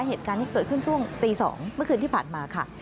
เหตุการณ์นี้เกิดขึ้นช่วงตี๒เมื่อคืนที่ผ่านมาค่ะ